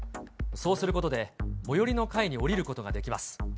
そうすることで、最寄りの階に降りることができます。